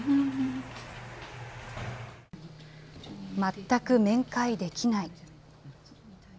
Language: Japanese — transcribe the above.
全く面会できない。